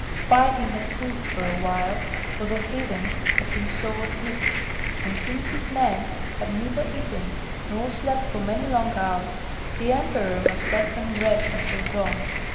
Fighting had ceased for awhile, for the heathen had been sore smitten; and since his men had neither eaten nor slept for many long hours, the Emperor must needs let them rest until dawn.